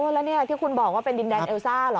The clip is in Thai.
แล้วนี่ที่คุณบอกว่าเป็นดินแดนเอลซ่าเหรอ